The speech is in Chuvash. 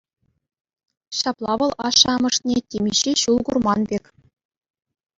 Ҫапла вӑл ашшӗ-амӑшне темиҫе ҫул курман пек.